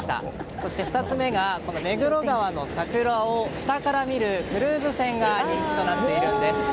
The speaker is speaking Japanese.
そして２つ目が目黒川の桜を下から見るクルーズ船が人気となっているんです。